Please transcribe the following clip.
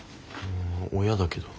親だけど。